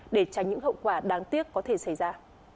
để tránh những hậu quả đáng tiếc có thể xảy ra